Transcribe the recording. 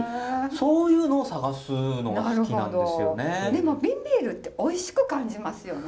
でも瓶ビールっておいしく感じますよね。